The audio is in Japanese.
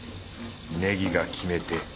ネギが決め手。